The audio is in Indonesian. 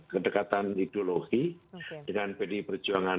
kedekatan ideologi dengan pdi perjuangan